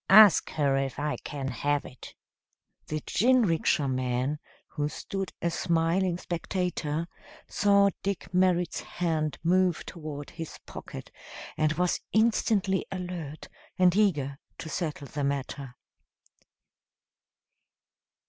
Ask her if I can have it." The jinrikisha man, who stood a smiling spectator, saw Dick Merrit's hand move toward his pocket, and was instantly alert and eager to settle the matter.